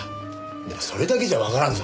でもそれだけじゃわからんぞ。